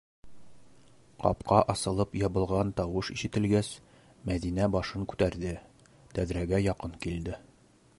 Капҡа асылып ябылған тауыш ишетелгәс, Мәҙинә башын күтәрҙе, тәҙрәгә яҡын килде.